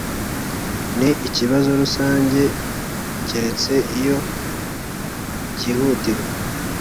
ni ikibazo rusange keretse iyo byihutirwa